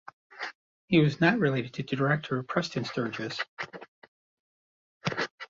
He was not related to director Preston Sturges.